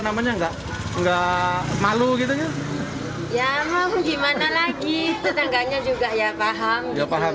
ya mau gimana lagi tetangganya juga ya paham